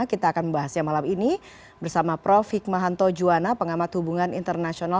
kita akan membahasnya malam ini bersama prof hikmahanto juwana pengamat hubungan internasional